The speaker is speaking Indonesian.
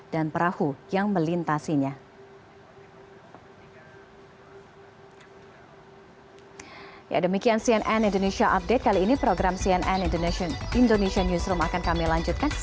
dan perahu yang melintasinya